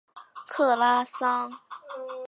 克拉桑。